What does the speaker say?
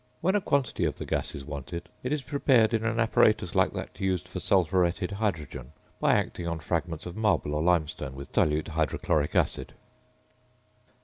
When a quantity of the gas is wanted, it is prepared, in an apparatus like that used for sulphuretted hydrogen, by acting on fragments of marble or limestone with dilute hydrochloric acid.